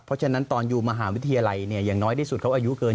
เพราะฉะนั้นตอนอยู่มหาวิทยาลัยเนี่ยอย่างน้อยที่สุดเขาอายุเกิน